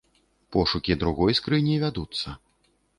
Пошукі другой скрыні вядуцца.